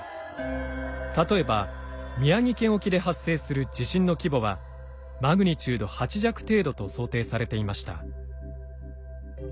例えば宮城県沖で発生する地震の規模はマグニチュード８弱程度と想定されていました。